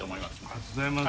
ありがとうございます。